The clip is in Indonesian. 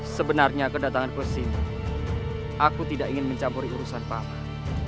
sebenarnya kedatangan ku sini aku tidak ingin mencampuri urusan paman